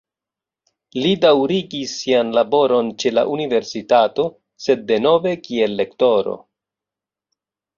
Li daŭrigis sian laboron ĉe la universitato, sed denove kiel lektoro.